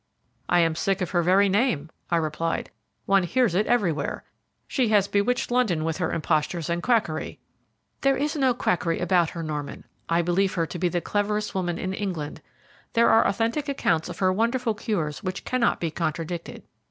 "I am sick of her very name," I replied; "one hears it everywhere. She has bewitched London with her impostures and quackery." "There is no quackery about her, Norman. I believe her to be the cleverest woman in England. There are authentic accounts of her wonderful cures which cannot be contradicted.